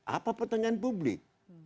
apa pertanyaan publik